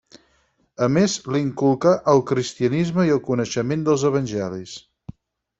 A més, li inculcà el cristianisme i el coneixement dels evangelis.